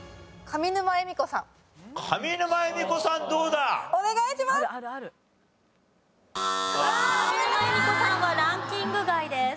上沼恵美子さんはランキング外です。